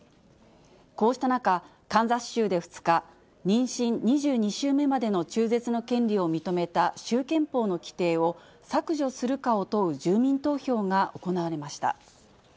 こうした中、カンザス州で２日、妊娠２２週目までの中絶の権利を認めた州憲法の規定を削除するかを問う住民投票が行われました。